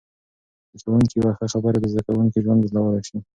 د ښوونکي یوه ښه خبره د زده کوونکي ژوند بدلولای شي.